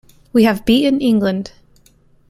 We have beaten England!